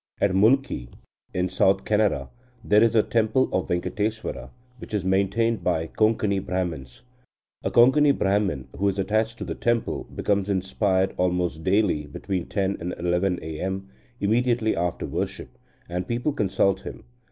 At Mulki in South Canara there is a temple of Venkateswara, which is maintained by Konkani Brahmans. A Konkani Brahman, who is attached to the temple, becomes inspired almost daily between 10 and 11 A.M., immediately after worship, and people consult him.